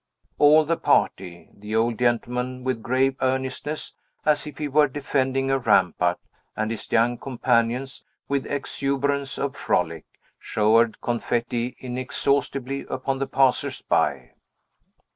All the party, the old gentleman with grave earnestness, as if he were defending a rampart, and his young companions with exuberance of frolic, showered confetti inexhaustibly upon the passers by.